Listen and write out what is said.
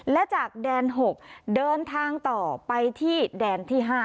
และจากแดน๖เดินทางต่อไปที่แดนที่๕